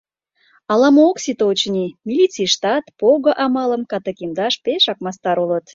Ала-мо ок сите, очыни: милицийыштат пого-амалым катыкемдаш пешак мастар улыт.